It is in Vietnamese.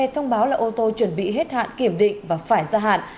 thông báo là ô tô chuẩn bị hết hạn kiểm định và phải ra hạn